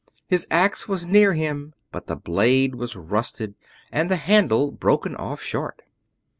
His axe was near him, but the blade was rusted and the handle broken off short.